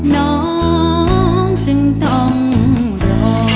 น้องจึงต้องรอ